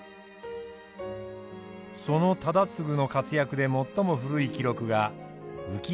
その忠次の活躍で最も古い記録が福谷城の戦い。